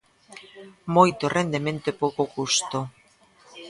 Moito rendemento e pouco custo.